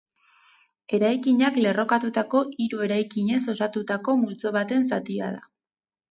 Eraikinak lerrokatutako hiru eraikinez osatutako multzo baten zatia da.